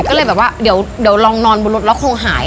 ก็เลยแบบว่าเดี๋ยวลองนอนบนรถแล้วคงหาย